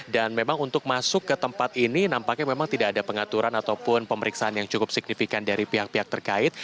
dan memang untuk masuk ke tempat ini nampaknya memang tidak ada pengaturan ataupun pemeriksaan yang cukup signifikan dari pihak pihak terkait